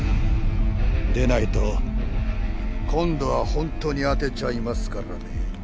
でないと今度は本当に当てちゃいますからね。